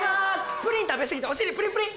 プリン食べ過ぎてお尻プリンプリン！